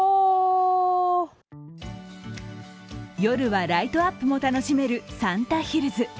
夜はライトアップも楽しめるサンタヒルズ。